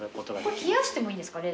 これ冷やしてもいいんですか？